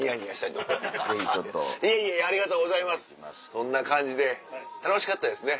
そんな感じで楽しかったですね。